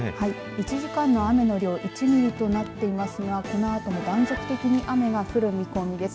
１時間の雨の量１ミリとなっていますがこのあとも断続的に雨が降る見込みです。